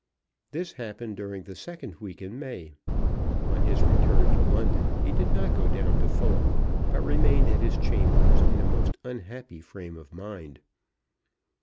This happened during the second week in May. On his return to London he did not go down to Fulham, but remained at his chambers in a most unhappy frame of mind.